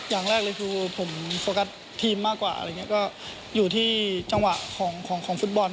อย่างแรกเลยคือผมโฟกัสทีมมากกว่าอยู่ที่จังหวะของฟุตบอล